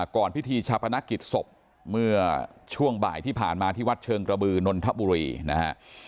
พิธีชาปนกิจศพเมื่อช่วงบ่ายที่ผ่านมาที่วัดเชิงกระบือนนทบุรีนะฮะ